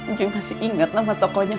ncuy masih inget nama tokonya